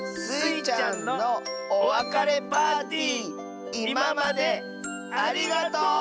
スイちゃんのおわかれパーティーいままでありがと。